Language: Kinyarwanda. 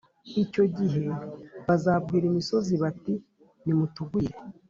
Icyo gihe bazabwira imisozi bati nimutugwire